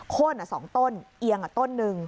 โค้น๒ต้นเอียง๑ต้น